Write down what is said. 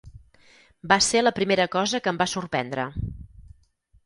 Va ser la primera cosa que em va sorprendre.